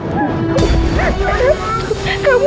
kamu bisa bersama sama enggak